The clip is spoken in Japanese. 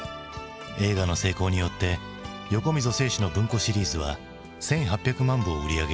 映画の成功によって横溝正史の文庫シリーズは１，８００万部を売り上げる。